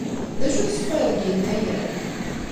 D acu i tessewwayeḍ deg Yennayer?